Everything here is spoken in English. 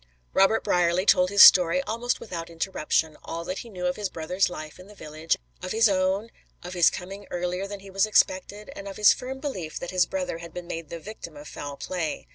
Robert Brierly told his story almost without interruption; all that he knew of his brother's life in the village; of his own; of his coming earlier than he was expected, and of his firm belief that his brother had been made the victim of foul play.